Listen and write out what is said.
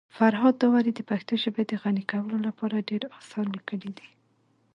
فرهاد داوري د پښتو ژبي د غني کولو لپاره ډير اثار لیکلي دي.